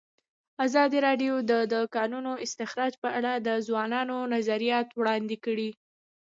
ازادي راډیو د د کانونو استخراج په اړه د ځوانانو نظریات وړاندې کړي.